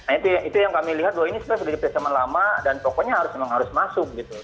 nah itu yang kami lihat bahwa ini sudah jadi persamaan lama dan pokoknya harus memang harus masuk gitu